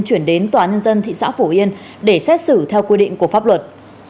chuyển đến tòa nhân dân thị xã phổ yên để xét xử theo quy định của pháp luật